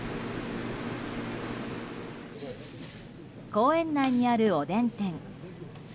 公園内にある、おでん店。